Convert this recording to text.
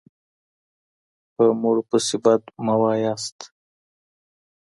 په مړو پسې بد مه وایئ.